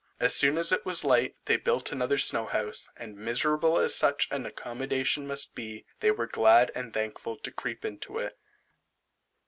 As soon as it was light, they built another snow house, and miserable as such an accommodation must be, they were glad and thankful to creep into it.